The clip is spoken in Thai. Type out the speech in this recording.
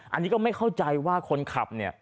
อันนี้ก็ไม่เข้าใจว่าคนขับเนี่ย